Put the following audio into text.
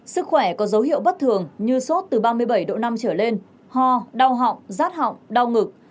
sức khỏe có dấu hiệu bất thường như sốt từ ba mươi bảy độ năm trở lên ho đau họng rát họng đau ngực